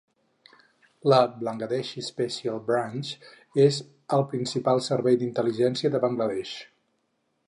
La Bangladeshi Special Branch és el principal servei d'intel·ligència de Bangladesh.